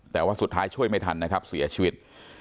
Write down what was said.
แต่ว่าสุดท้ายช่วยไม่ทันนะครับเสียชีวิต